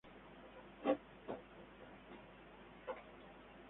Ocho de estas canciones se editaron en su álbum debut y homónimo.